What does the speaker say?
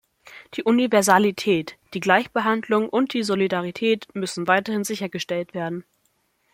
Die Universalität, die Gleichbehandlung und die Solidarität müssen weiterhin sichergestellt werden.